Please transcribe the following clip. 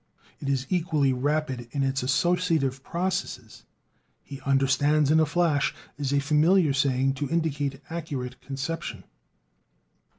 It is Equally rapid in its associative processes: "He understands in a flash" is a familiar saying to indicate accurate conception.